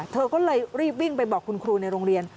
เธอก็เลยรีบวิ่งไปบอกคุณครูในโรงเรียน